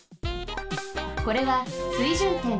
これは水準点。